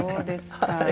はい。